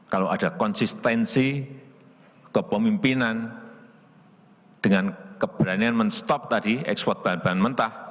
kalau ada konsistensi kepemimpinan dengan keberanian men stop tadi ekspor bahan bahan mentah